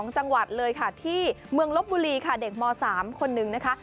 จังหวัดเลยค่ะที่เมืองลบบุรีค่ะเด็กม๓คนนึงนะคะ